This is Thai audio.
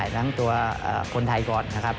ทั้งตัวคนไทยก่อนนะครับ